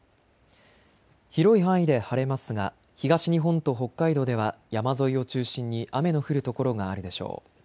広い範囲で晴れますが東日本と北海道では山沿いを中心に雨の降る所があるでしょう。